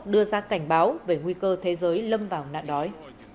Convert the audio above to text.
liên hợp quốc đưa ra cảnh báo về nguy cơ thế giới lâm vào nạn đói